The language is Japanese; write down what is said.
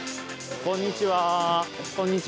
こんにちは。